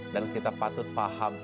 dan kita patut paham